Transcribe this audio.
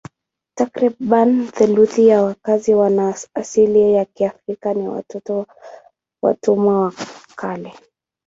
Takriban theluthi ya wakazi wana asili ya Kiafrika ni watoto wa watumwa wa kale.